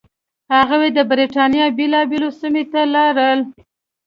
هغوی د برېټانیا بېلابېلو سیمو ته لاړل.